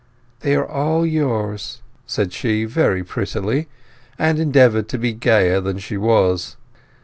"They are all yours," said she, very prettily, and endeavoured to be gayer than she was.